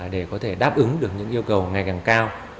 để có thể đáp ứng được những yêu cầu ngày càng cao